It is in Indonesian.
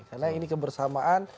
karena ini kebersamaan